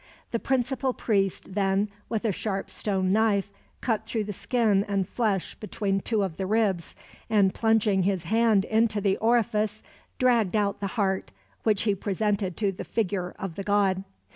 The principal priest then, with a sharp stone knife, cut through the skin and flesh between two of the ribs and, plunging his hand into the orifice, dragged out the heart, which he presented to the figure of the god.